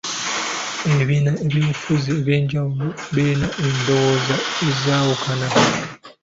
Ebibiina by'obufuzi eby'enjawulo birina endowooza ezawukana.